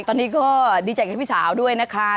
ตอนนี้ก็ดีใจกับพี่สาวด้วยนะคะ